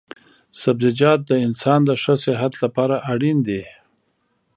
سبزيجات د انسان د ښه صحت لپاره اړين دي